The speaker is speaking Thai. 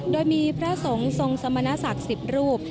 โดยมีพระสงฆ์ทรงสมณศักดิ์๑๐รูป